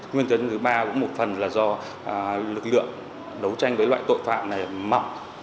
nguyên tấn thứ ba cũng một phần là do lực lượng đấu tranh với loại tội phạm này mỏng